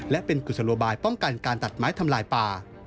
และเป็นกุศโลบายป้องกันการตัดไม้ทำลายป่า